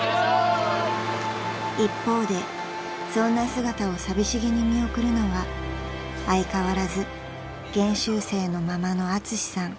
［一方でそんな姿を寂しげに見送るのは相変わらず研修生のままのアツシさん］